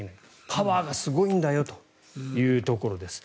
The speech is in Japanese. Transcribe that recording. パワーがすごいんだよというところです。